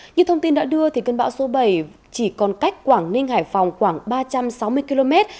như thông tin đã đưa thì cơn bão số bảy chỉ còn cách quảng ninh hải phòng khoảng ba trăm sáu mươi km